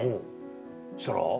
そしたら？